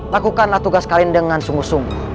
lakukanlah tugas kalian dengan sungguh sungguh